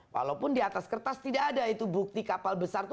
walaupun di atas kertas tidak ada itu bukti kapal besar itu